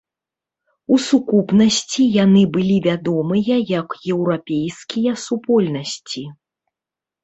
У сукупнасці яны былі вядомыя як еўрапейскія супольнасці.